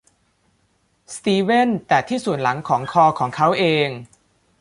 สตีเวนแตะที่ส่วนหลังของคอของเขาเอง